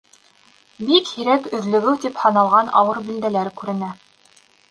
Бик һирәк өҙлөгөү тип һаналған ауыр билдәләр күренә.